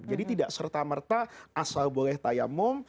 jadi tidak serta merta asal boleh tayamum